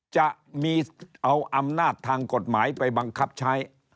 จะเอาอำนาจทางกฎหมายไปบังคับใช้